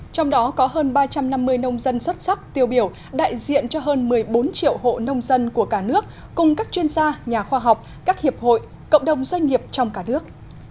trong đó có hơn ba trăm năm mươi nông dân xuất sắc tiêu biểu đại diện cho hơn một mươi bốn triệu hộ nông dân của cả nước cùng các chuyên gia nhà khoa học các hiệp hội cộng đồng doanh nghiệp trong cả nước